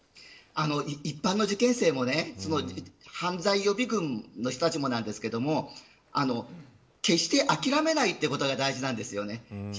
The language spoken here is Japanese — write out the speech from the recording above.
一般の受験生も犯罪予備軍の人たちもなんですけれども決して諦めないということが大事なんです。